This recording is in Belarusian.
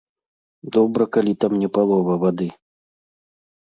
Добра, калі там не палова вады.